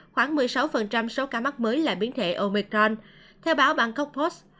khoảng một mươi sáu số ca mắc mới là biến thể omicron theo báo bangkok post